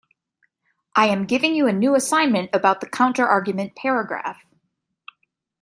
I am giving you a new assignment about the counterargument paragraph.